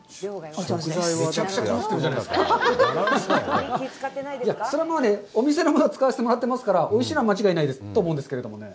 もちろん、お店のものを使わせてもらってますから、おいしいのは間違いないと思うんですけどね。